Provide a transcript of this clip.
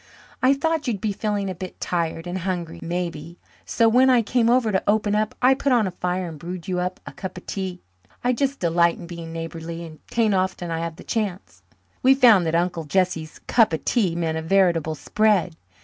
"I thought you'd be feeling a bit tired and hungry, maybe, so when I came over to open up I put on a fire and brewed you up a cup of tea. I just delight in being neighbourly and 'tain't often I have the chance." We found that Uncle Jesse's "cup of tea" meant a veritable spread.